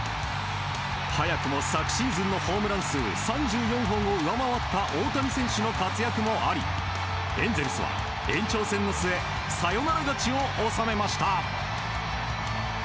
早くも昨シーズンのホームラン数３４本を上回った大谷選手の活躍もありエンゼルスは延長戦の末サヨナラ勝ちを収めました。